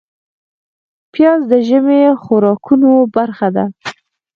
پیاز د ژمي خوراکونو برخه ده